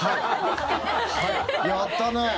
やったね。